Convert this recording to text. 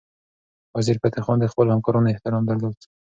وزیرفتح خان د خپلو همکارانو احترام درلود.